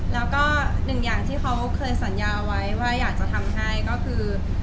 แล้วก็หนึ่งอย่างที่เขาเคยสัญญาไว้ว่าอยากจะทำให้ก็คือ